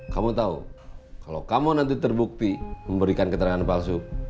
kamu tahu kalau kamu nanti terbukti memberikan keterangan palsu